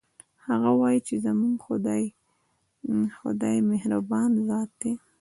هغه وایي چې زموږ خدایمهربان ذات ده